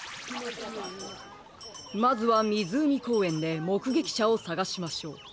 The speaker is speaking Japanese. まずはみずうみこうえんでもくげきしゃをさがしましょう。